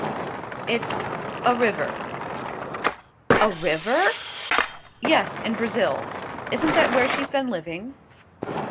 "It's a river." "A river?" "Yes: in Brazil. Isn't that where she's been living?"